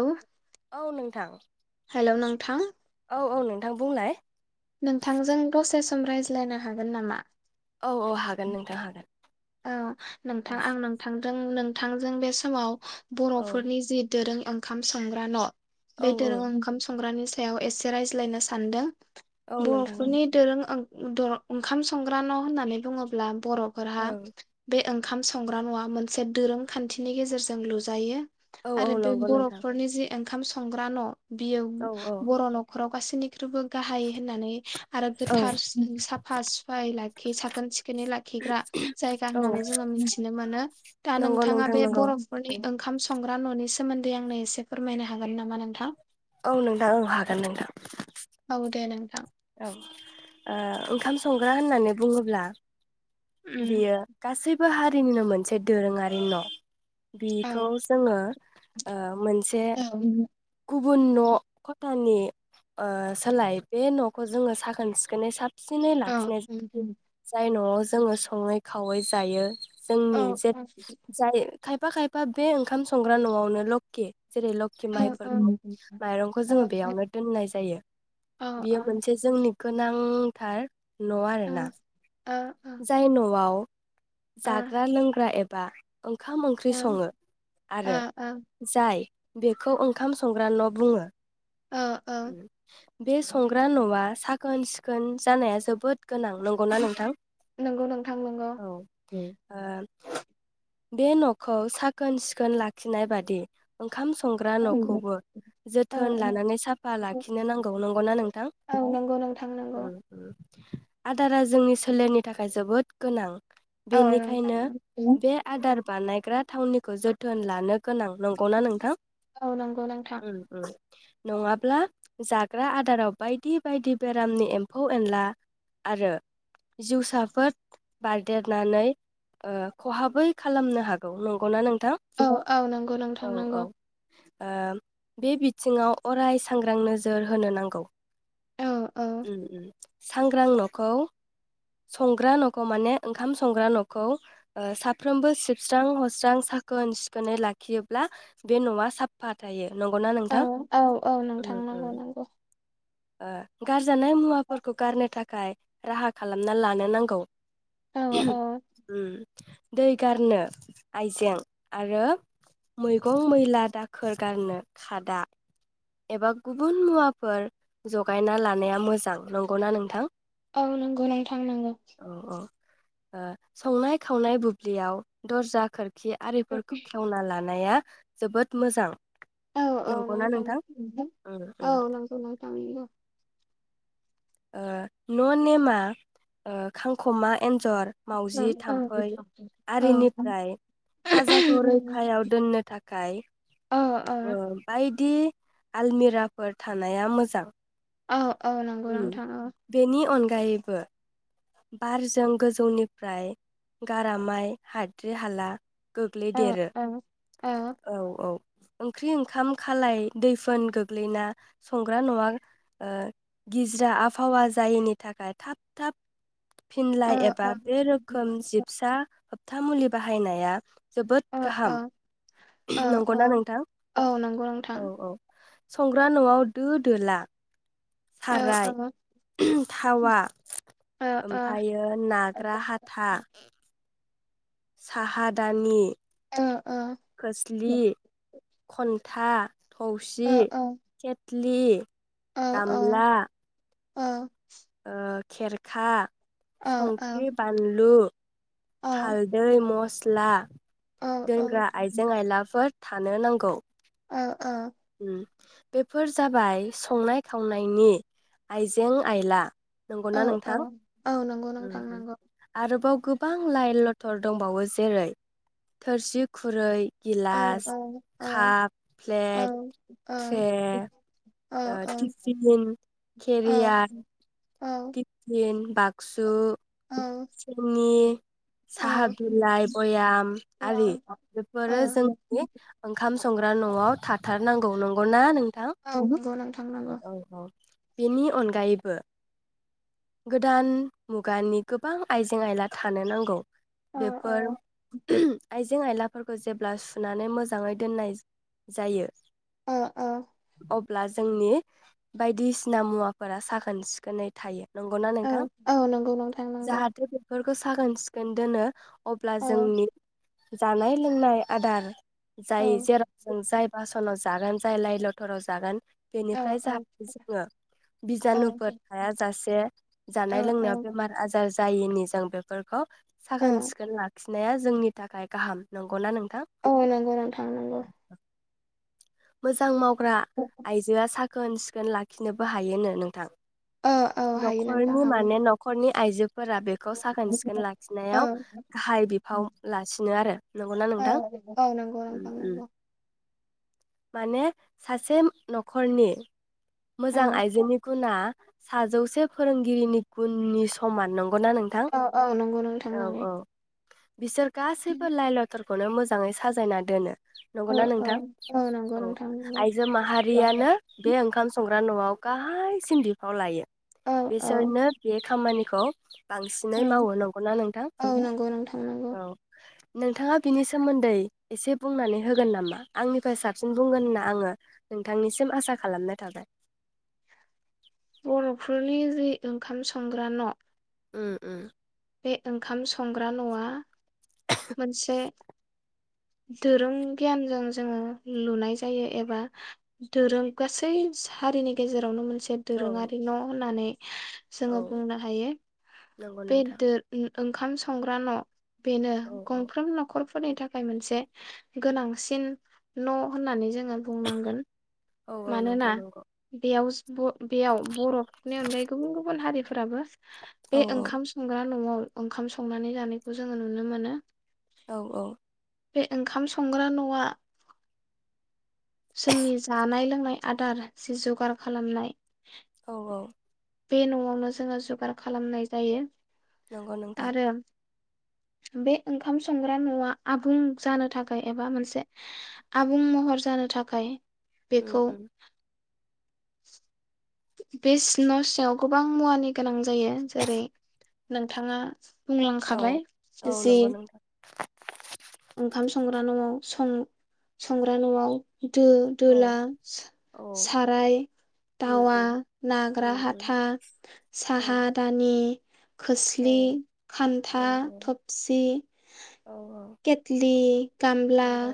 औ औ नोंथां हेलौ नोंथां [inaudible] औ औ नों थां बुंलाय नोंथांजों [unintelligible] रायज्लायनो हागोन नामा? औ औ हागोन नोंथां हागोन। औ, औ नोंथां आं नोंथां [unintelligible] नोंथांजों बे समाव औ बर'फोरनि जि दोरों ओंखाम संग्रा न' औ बे औ दोरों ओंखाम संग्रानि सायाव एसे रायज्लायनो सान्दों। औ नोंथां बर'फोरनि दोरों ओं द' ओंखाम संग्रा न' होननानै बुङोब्ला बर'फोराहा औ बे ओंखाम संग्रा न'आ मोनसे दोरों खान्थिनि गेजेरजों लुजायो। औ औ आरो बे नंगौ नोंथां बर'फोरनि जि ओंखाम संग्रा न' बियो औ बर' न' खराव गाासिनि ख्रुइबो गाहाय होननानै आरो औ गोथार साफा सुफाय ला खि साखोन सि बेनो लाखिग्रा। जायगा औ होननानै जोङो मिथिनो मोनो दा नंगौ नोंथाङा नोंथां बे नंगौ बर'फोरनि। ओंखाम संग्रा न'नि सोमोन्दै आंनो एसे फोरमायनो हागोन नामा नोंथां? औ नोंथां औ हागोन नोंथां। औ दे नोंथां औ ओ ओंखाम संग्रा होननानै बुङोब्ला। उम बियो गासै। बो हारिनिनो मोनसे दोरोङारि न'। औ बेखौ जोङो ओ मोनसे औ गु गुबुन न' खथानि। ओ सोलाय बे न' खौ जोङो साखोन सिखोनै साब सिनै औ लाखिनाय जाय न जोङो सङै खावै जायो। औ जोंनि जे जाय खायफा खायफा बे ओंखाम संग्रा न'आवनो लखि जेरै लोखि माइफोरखौ औ माइरंखौ जोङो बेयावनो दोननाय जायो औ बेयो मोन औ से जोंनि गोनांथार। न आरो औ ना। ओ। ओ जाय न'आव। ओ जाग्रा लोंग्रा एबा। ओंखाम ओंख्रि ओ सङो ओ आरो, जाय बेखौ ओंखाम संग्रा न' बुङो। ओ ओ [unintelligible] बे संग्रा न'आ साखोन सिखोन जानाया जोबोद गोनां नंगौना नोंथां नंगौ नोंथां नंगौ औ ओ। बे न'खौ साखोन सिखोन लाखिनाय बादि। खाम संग्रा न'खौबो औ जोथोन लानानै साफ फा लाखिनो नांगौ नंगौना नोंथां? औ नंगौ नोंथां नंगौ आदारा जोंनि सोलेरनि थाखाय जोबोद गोनां। औ नोंथां बेनिखायनो नंगौ बे आदार बानायग्रा थावनि। खो जोथोन लानो गोनां नंगौना नोंथां? औ नंगौ नोंथां नङा ब्ला जाग्रा आदाराव बायदि बायदि बेरामनि एम्फौ-एनला आरो जिउसाफोर बारदेरनानै ओ खहाबै खालामनो हागौ नंगौना नों औ औ नोंगौ नोंथां नोंगौ ओ बे बिथिङाव अराय सांग्रां नोजोर होनो नांगौ औ औ उम उम सांग्रां न'खौ संग्रा न'खौ माने ओंखाम संग्रा न'खौ ओ साफ्रोमबो सिबस्रां हस्रां साखोन-सिखोनै लाखियोब्ला बे न'आ साफ्फा थायो। नंगौना औ नोंथां औ औ नोंथां नंगौ नंगौ ओ गारजानाय मुवाफोरखौ गारनो थाखाय राहा खालामना लानो नांगौ औ औ उम दै गारनो आइजें आरो मैगं मैला दाखोर गारनो खादा एबा गुबुन मुवाफोर जगायना लानाया मोजां नंगौना नोंथां औ नंगौ नोंथां नंगौ औ औ ओ संनाय खावनाय बुब्लियाव दर्जा खोर खि आरिफोरखौ खेवना लाना नाया जोबोद मोजां औ औ नंगौना नोंथां उम औ उम नंगौ नोंथां नंगौ ओ न' नेमा ओ खांख'मा एन्जर, औ मावजि, औ थाम्फै औ आरिनिफ्राय खाजाखौ रैखायाव दोननो थाखाय ओ बाय दि आलमिराफोर थानाया मोजां ओ उम बेनि अन गायैबो बारजों गोजौनिफ्राय गारामाय हाद्रि हाला औ गोग्लैदेरो औ औ ओंख्रि ओंखाम खालाय दैफोन गोग्लैना संग्रा न'आ ओ गिज्रा आबहावा जायिनि थाखाय थाब थाब फिनलाय औ एबा बे औ औ रोखोम जिबसा था मुलि बाहायनाया जोबोद ओ ओ गाहाम ओ ओ नंगौना नोंथां औ नंगौ नोंथां औ औ संग्रा न'आव दो दोला ओ साराय ओ थावा ओ ओमफ्रायो नाग्रा हाथा साहादानि ओ खोस्लि हन्था ओ औ थौसि [unintelligible] फ्लि औ गामला औ ओ खेरखा संख्रि बानलु औ हालदै मस ला औ दोनग्रा आइजें आयला फोर थानो नांगौ ओ ओ उम बेफोर जाबाय संनाय खावनायनि आइजें आइला औ नंगौना औ नोंथां? औ नंगौ नोंथां [unintelligible] नंगौ आरोबाव गोबां लाइ लथर दंबावो जेरै थोरसि खुरै औ गिलास काप प्लेट ट्रे ओ ओ टिफिन केरियार औ तिफिन बाक्सु औ थिंनि साहा बिलाइ बयाम आरि बेफोरो जोंनि ओंखाम स संग्रा न'आव थाथारनांगौ नंगौना नों औ नंगौ नोंथां नंगौ बिनि अनगायैबो गोदान मुगानि गोबां आइजें आइला थानो नांगौ। औ बेफोर [unintelligible] आइजें आइला फोरखौ जेब्ला सुनानै मोजाङै दोननाय जायो। ओ-ओ अब्ला जोंनि बायदिसिना मुवाफोरा साखोन सिखोनै थायो। नंगौना औ नोंथां औ नंगौ नोंथां। नंगौ जाहाथे बेफोर साखोन सिखोन दोनो। अब्ला औ जोंनि जानाय लोंनाय आदार औ जाय जेराव जों जाय नाव जागोन जाय लइ लटराव जागोन औ बेनिफ्राय औ जाहाथे जोङो औ बिजानुफोर थाया जासे जानाय लोंनायाव औ बेमार आजार जायिनि जों बेफोरखौ औ साखोन सिखोन लाखिनाया जीं जोंनि थाखाय गाहाम नंगौना नों औ नंगौ नथां नांगौ। मोजां माव आइजोआ साख्रि साखीन सिखोन लाखिनोबो हायो नी नोंथां। औ औ हायो नोंथां न'खरनि हायो माने न'खरनि आइजो फोरा बेखौ साखोन सिखोन औ लाखिनायाव गाहाय बिफाव लासिनो आरो नंगौना औ नोंथां? औ नंगौ नोंथां नंगौ माने सासे न'खरनि मोजां ओं आइजोनि गुन्ना साजौसे फोरोंगिरिनि गुननि समान नंगौ। औ औ नंगौ नोंथां नीगौ। बिसोर गासैबो लायल खौनो मोजाङै साजायना दोन औ नंगौना औ नोंथां? नंगौ औ नोंथां नंगौ आइजो औ माहारियानो बे ओंखाम संग्रा न'आव गाहायसिन बिफाव लायो। औ बिसोरनो बे खामानि खौ बांसिनै मावो नंगौना नोंथां? औ नंगौ नोंथां नंगौ औ नोंथाङा बिनि सोमोन्दै एसे बुंनानै होगोन नामा? आंनि फो साबसिन बुंगोन होनना आङो नोंथांनिसिम आसा खालामनाय थाबाय। बर'फोरनि जि ओंखाम संग्रा न' उम्म उम्म। बे ओंखाम संग्रा न'आ मोनसे दोरों गियानजों जोंङो लुनाय जायो एबा दोरों गासै हारिनि गेजेरावनो मोन से औ दोरोंङारि न' होननानै जोंङो औ बुंनो हायो नंगौ नोंथां बेद उम्म ओंखाम संग्रा न' बेनो औ औ गंफ्रोम न'खर फोरनि थाखाय मोनसे गोनांसिन न' होननानै जों हो बुंनांगोन औ औ नोंथां मानोना नंगौ बेयाव ब बेयाव बर'फोरनि अनगायै गुबुन गुबुन हारिफोराबो औ बे औ ओंखाम रा न'आव ओंखाम संनानै जानायखौ जोंङो नुनो मोनो। औ औ। बे ओंखाम संग्रा न'आ जोंनि जानाय लोंनाय आदार जि ज'गार खालामनाय औ औ। बे न'आवनो जोंङो जगार खालामनाय जायो। नंगौ नोंथां। आरो बे ओंखाम संग्रा न'आ आबुं जानो थाखाय एबा मोनसे आबुं महर जानो थाखाय उम्म बेखौ उम्म। [unintelligible] बे सि न' सिनायाव गोबां मुवानि गोनां जायो जेरै नोंथाङा औ बुंलांखाबाय औ जे नंगौ नोंथां सं संग्रा न'आव दो औ दोला सो औ साराय उम दावा उम नाग्रा उम उम हाथा औ साहा दानि, औ खोस्लि, औ खान्था, थबसि औ औ केटलि, गामला, नंगौ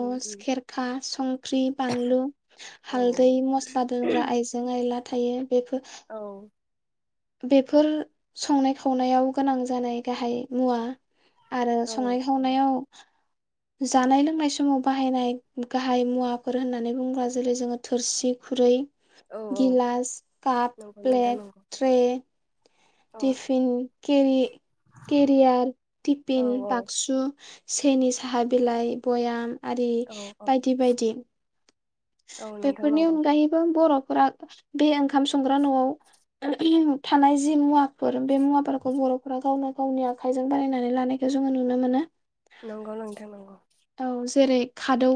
उम उम खेरखा, संख्रि, बानलु, औ हालदै, मस्ला दोनग्रा आइजें आयला थायो। बेफो औ बेफोर संनाय खावनायाव गोनां जानाय गाहाय मुवा। आरो औ संनाय खावनायाव जानाय लोंनाय समाव बाहायनाय गाहाय मुवाफोर होननानै बुोब्ला जेरै जोंङो थोरसि खुरै औ औ गिलास, काप नंगौ नोंथां प्लेट, नंगौ ट्रे औ थिफिन केरि केरियार औ टिपिन औ बाक्सु सेनि साहा बिलाइ बयाम आरि औ औ बायदि बायदि। औ नोंथां बेेफोरनि नंगौ अनगायैबो बर'फोरा बे ओंखाम संग्रा न'आव ओहिम थानाय जि मुवाफोर जों बे मुवाफोरखौ बर'फोरा गावनो गावनि आखाइजों बानायनानै लानायखौ जोङो नुनो मोनो। नंगौ नोंथां नंगौ। औ जेरै खादौ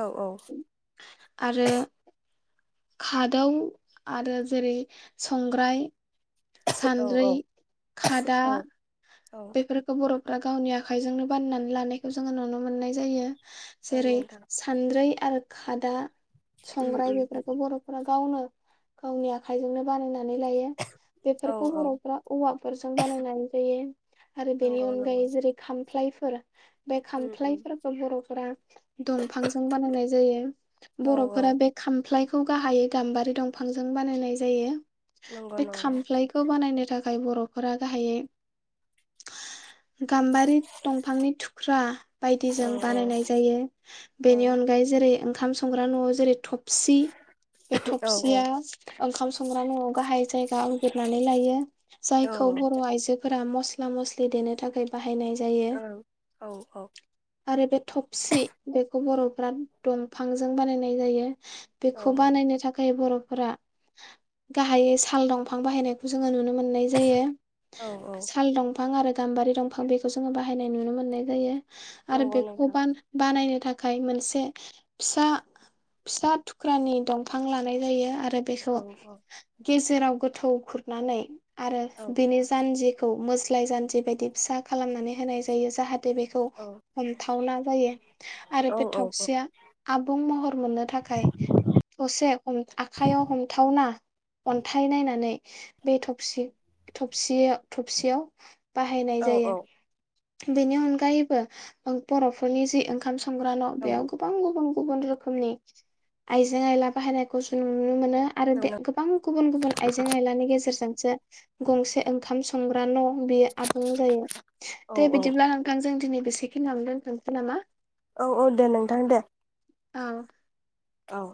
औ औ आरो खादौ आरो जेरै संग्राय। औ सान्द्रि औ खादा। औ औ बेफोरखौ बरफ दा गावनि आखाइजोंनो बाननानै लानायखौ जोङो नुनो मोननाय जायो। औ जेरै नोंथां सान्द्रि आरो खादा उम संग्राय उम बेफोरखौ बरफोरा गा गावनो गावनि आखाइजोंनो बानायना नानै लायो औ बेफोरखौ औ बर'फ्रा औवाफोरजों बानायनानै जायो। आरो बेनि नंगौ अनगायै नंगौ जेरै खाम लायफोर बे उम उम खामफ्लायफोरखौ बर'फोरा दंफांजों बानायनाय जायो औ औ बर'फोरा बे खामफ्लायखो खौ गाहायै गाम्बारि दंफांजों बानायनाय जायो। नंगौ बे नंगौ खामफ्लायखौ बानायनो थाख जाय बर'फोरा गाहायै [unintelligible] गाम्बारि दंफांनि थुख्रा औ बायदिजों बानायनाय जायो औ बेनि अनगायै जेरै ओंखा ओंखाम संग्रा नआव जेरै थबसि बे औ थबसिया ओंखाम संग्रा न'आव गाहाय जायगा आवगिरनानै लायो औ जायखौ बर' आइजोफोरा मस स्ला मस्लि देनो थाखाय बाहाय फायनाय जायो औ आरो बे थबसि बेखौ बर' बिराद दंफांजों बानायनाय जायो। बेखौ ओं बानायनो थाखाय बरफ फ्रा गाहायै साल दंफां बाहायनायखौ जोङो नुनो मोननाय जायो औ औ सो दंफां आरो गाम्बारि दंफां बेखौ जोङो बाहायनाय नुनो मोननाय जायो। आरो नंगौ बेखौ नोंथां बान-बानायनो थाखाय मोनसे फिसा फिसा थुख्रानि दंफां लानाय जायो आ बेखौ औ औ गेजेराव गोथौ खुरनानै आरो औ बेनि जानजि मोस्लाइ जानजि बा दि फिसा खालामनानै होनाय जायो जाहाथे बेखौ औ हमथावना जायो आरो बे औ औ औ थफसिया आबुं महर मोननो थाखाय असे अं-आखाइयाव हमथावना अन्थाइ नायनानै बे थबसि थबसियाव थबसियाव बाहायनाय औ जायो। बेनि अनगायैबो ओ बर'फोरनि जि ओंखाम सं ग्रा न' बेयाव गोबां गुबुन गुबुन रोखोमनि आइजें-आयला बाहायनायखौ जों नु नुनो मोनो आरो बे गोबां गुबुन गुबुन आइजें आइलानि गेजेरजों जा गंसे ओं खाम सं संग्रा न' बेयो आबुं जायो औ दे बिदिब्ला नोंथां जों दिनै बेसेखिनियावनो दोथ'नोसै नामा? औ औ दे नोंथां दे। औ औ